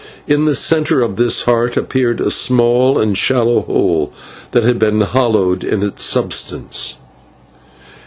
In the centre of this heart appeared a small and shallow hole that had been hollowed in its substance.